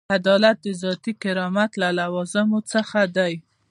عدالت د ذاتي کرامت له لوازمو څخه دی.